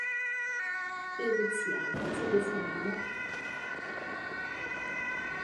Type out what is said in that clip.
对不起啊记不起来了